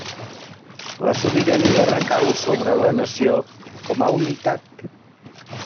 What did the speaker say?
La sobirania recau sobre la Nació com a unitat.